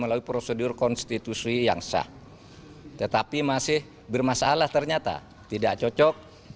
dan juga rancangan yang sudah dinyatakan